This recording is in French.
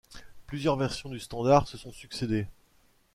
Plusieurs versions du standard se sont succédé.